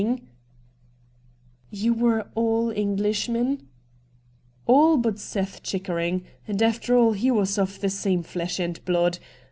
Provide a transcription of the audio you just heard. * You were all Englishmen ?' 'All but Seth Chickering, and after all he was of the same flesh and blood.